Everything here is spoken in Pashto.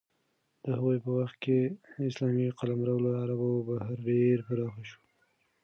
د هغوی په وخت کې اسلامي قلمرو له عربو بهر ډېر پراخ شو.